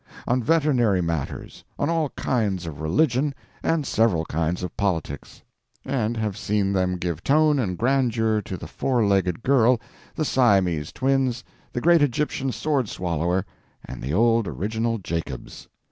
on veterinary matters, on all kinds of religion, and several kinds of politics; and have seen them give tone and grandeur to the Four legged Girl, the Siamese Twins, the Great Egyptian Sword Swallower, and the Old Original Jacobs.